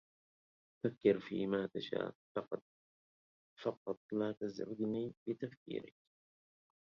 فكّر فيما تشاء. فقط لا تزعجني بتفكيرك.